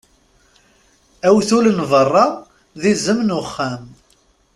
Awtul n beṛṛa, d izem n uxxam.